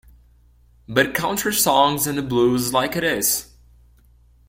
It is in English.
But country songs and the blues is like it is.